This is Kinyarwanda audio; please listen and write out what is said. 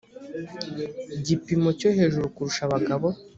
gipimo cyo hejuru kurusha abagabo